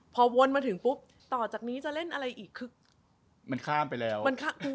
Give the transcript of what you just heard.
พอวนมาถึงปุ๊บต่อจากนี้จะเล่นอะไรอีก